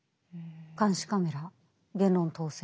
監視カメラ言論統制